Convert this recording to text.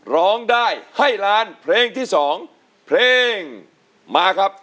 ร้องได้ให้ล้านเพลงที่๒เพลงมาครับ